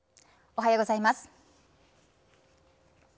おはようございます。